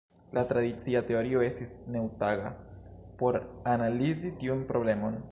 La tradicia teorio estis netaŭga por analizi tiun problemon.